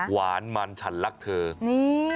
หวานมันฉันรักเธอนี่